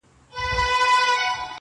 زلفي راټال سي گراني,